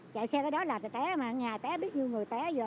chạy xe tới đó là người té mà ngài té biết như người té giờ